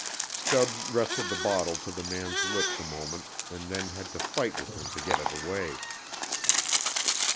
Stubbs rested the bottle to the man's lips a moment and then had to fight with him to get it away.